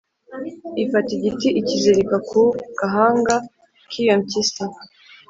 Ifata igiti ikizirika ku gahanga k’iyo mpyisi.